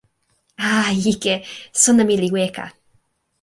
a, ike, sona mi li weka.